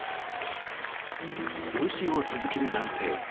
無視を続ける男性。